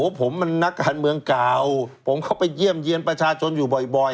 ผมมันนักการเมืองเก่าผมเข้าไปเยี่ยมเยี่ยนประชาชนอยู่บ่อย